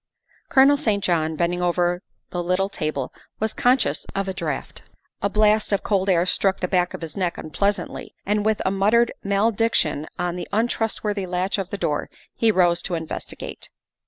Colonel St. John, bending over the little table, was conscious of a draught. A blast of cold air struck the back of his neck unpleasantly, and with a muttered malediction on the untrustworthy latch of the door he rose to investigate.